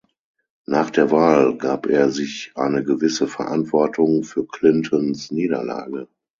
Nach der Wahl gab er sich eine gewisse Verantwortung für Clintons Niederlage.